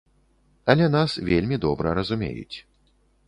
Але нас вельмі добра разумеюць.